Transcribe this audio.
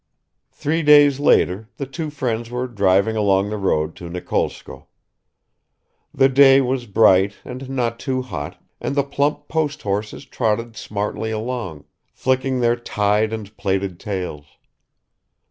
Three days later the two friends were driving along the road to Nikolskoe. The day was bright and not too hot, and the plump post horses trotted smartly along, flicking their tied and plaited tails.